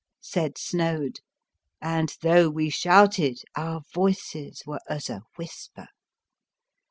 " said Snoad, and though we shouted, our voices were as a whis per.